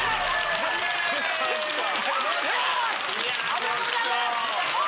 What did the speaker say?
ありがとうございます！